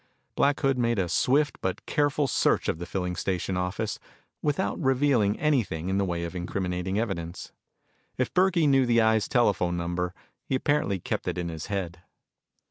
Black Hood made a swift but careful search of the filling station office without revealing anything in the way of incriminating evidence. If Burkey knew the Eye's telephone number he apparently kept it in his head.